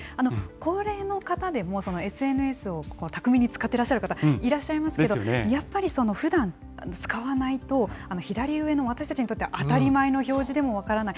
高齢の方でも、ＳＮＳを巧みに使ってらっしゃる方いらっしゃいますけど、やっぱりふだん使わないと、左上の私たちにとっては当たり前の表示でも分からない。